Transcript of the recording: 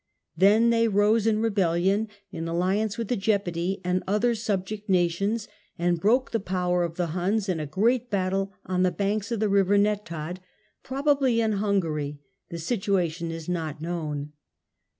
Then they rose in rebellion, in alliance with the Gepidae and other subject nations, and broke the power of the Huns in a great battle on the banks of the river Netad (probably in Hungary, the situation is not known).